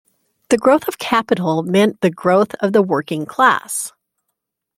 The growth of capital meant the growth of the working class.